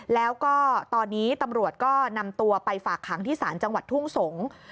แล้วก็ตอนนี้ตำรวจก็นำตัวไปฝากขังที่ศาลจังหวัดทุ่งสงศ์